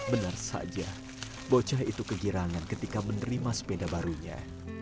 benar saja bocah itu kegirangan ketika menerima sepeda barunya